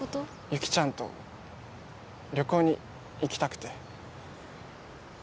雪ちゃんと旅行に行きたくて。